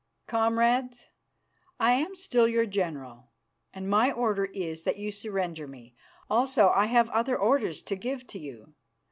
"Comrades, I am still your general, and my order is that you surrender me. Also, I have other orders to give to you.